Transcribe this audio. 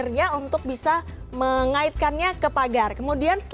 kalau bisa kita titipkan saja atau kita beri pesan ke driver atau suami